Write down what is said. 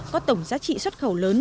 có tổng giá trị xuất khẩu lớn